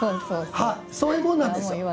そういうもんなんです。